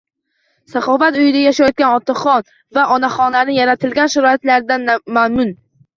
Saxovat uyida yashayotgan otaxon va onaxonlar yaratilgan sharoitlardan mamnun